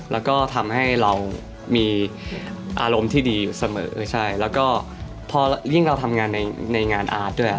แล้วก็ทำให้เรามีอารมณ์ที่ดีอยู่เสมอใช่แล้วก็พอยิ่งเราทำงานในงานอาร์ตด้วย